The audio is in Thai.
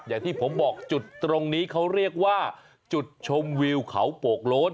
อย่างที่ผมบอกจุดตรงนี้เขาเรียกว่าจุดชมวิวเขาโปกโล้น